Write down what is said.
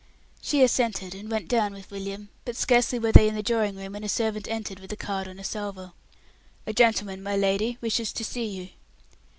She assented, and went down with William; but scarcely were they in the drawing room when a servant entered with a card on a salver. "A gentleman, my lady, wishes to see you."